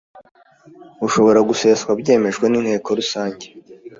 ushobora guseswa byemejwe n inteko rusange